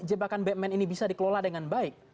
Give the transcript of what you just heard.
jebakan batman ini bisa dikelola dengan baik